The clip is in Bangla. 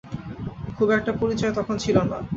খুব একটা পরিচয় তখন ছিল না।